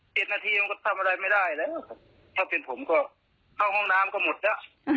เข้าห้องน้ำก็หมดละ